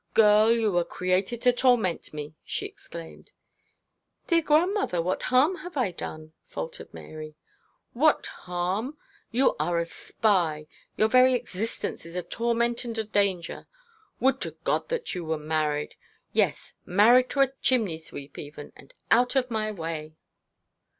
'Girl, you were created to torment me;' she exclaimed. 'Dear grandmother, what harm have I done?' faltered Mary. 'What harm? You are a spy. Your very existence is a torment and a danger. Would to God that you were married. Yes, married to a chimney sweep, even and out of my way.'